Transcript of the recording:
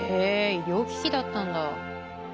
医療機器だったんだ。